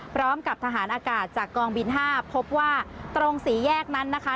พร้อมกับทหารอากาศจากกองบิน๕พบว่าตรงสี่แยกนั้นนะคะ